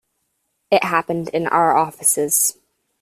It happened in our offices.